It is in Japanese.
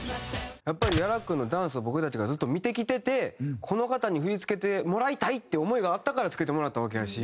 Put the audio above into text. やっぱり屋良君のダンスを僕たちがずっと見てきててこの方に振付てもらいたいっていう思いがあったから付けてもらったわけやし。